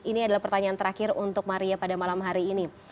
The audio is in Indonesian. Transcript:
ini adalah pertanyaan terakhir untuk maria pada malam hari ini